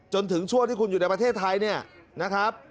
จนถึงช่วงที่คุณอยู่ในประเทศไทยเนี่ยนะครับ